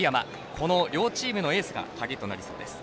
この両チームのエースが鍵となりそうです。